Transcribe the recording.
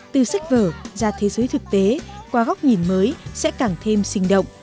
từ sách vở ra thế giới thực tế qua góc nhìn mới sẽ càng thêm sinh động